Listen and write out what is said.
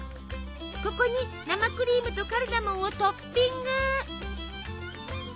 ここに生クリームとカルダモンをトッピング。